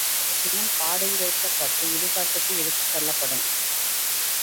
பிறகு பிணம் பாடையிலேற்றப்பட்டு இடுகாட்டுக்கு எடுத்துச் செல்லப்படும்.